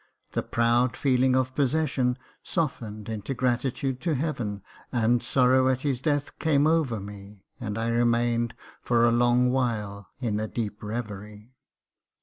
The proud feeling of possession, softened into gratitude to Heaven, and sorrow at his death, came over me, and I remained for a long while in a deep reverie.